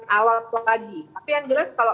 alot lagi tapi yang jelas kalau